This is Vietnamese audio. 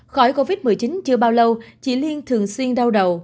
khỏi covid một mươi chín chưa bao lâu chị liên thường xuyên đau đầu